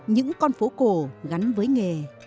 những con phố cổ gắn với nghề